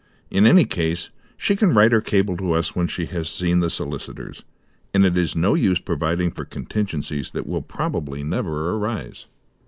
In any case, she can write, or cable to us when she has seen the solicitors, and it is no use providing for contingencies that will probably never arise."